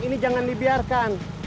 ini jangan dibiarkan